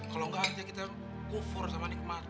kalau enggak harusnya kita kufur sama nikmat